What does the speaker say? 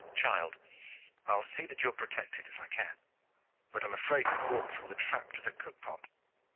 "Child, I'll see that you're protected, if I can. But I'm afraid you've walked from the trap to the cookpot.